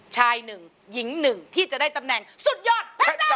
ชายหนึ่งหญิงหนึ่งที่จะได้ตำแหน่งสุดยอด